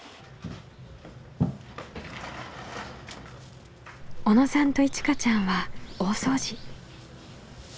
小野さんといちかちゃんは大掃除。